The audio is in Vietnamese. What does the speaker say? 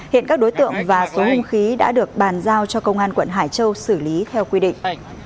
hiện các đối tượng và số hung khí đã được bàn giao cho công an quận hải châu xử lý theo quy định